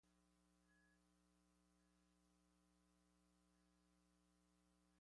macronutrientes, carbono, hidrogênio, oxigênio, nitrogênio, fósforo, enxofre, cálcio